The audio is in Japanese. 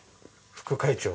副会長。